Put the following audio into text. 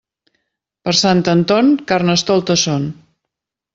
Per Sant Anton, Carnestoltes són.